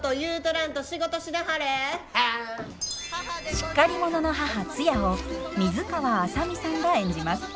しっかり者の母ツヤを水川あさみさんが演じます。